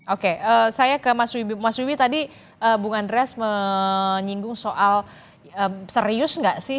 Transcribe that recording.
oke saya ke mas wibi mas wibi tadi bung andres menyinggung soal serius nggak sih